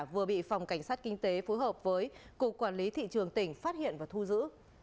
vừa bị phòng cảnh sát kinh tế phối hợp với cục quản lý thị trường tỉnh phát hiện và thu giữ